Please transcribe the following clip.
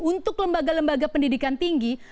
untuk lembaga lembaga pendidikan tinggi